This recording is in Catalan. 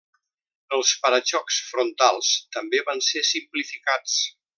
Els para-xocs frontals també van ser simplificats.